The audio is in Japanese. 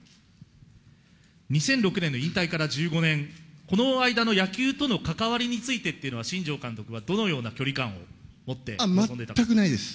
２００６年の引退から１５年、この間の野球との関わりについてというのは、新庄監督はどのよう全くないです。